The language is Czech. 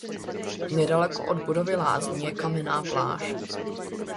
Nedaleko od budovy lázní je kamenná pláž.